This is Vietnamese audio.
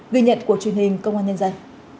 ghi nhận của truyền hình công an nhân dân